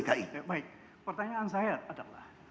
baik pertanyaan saya adalah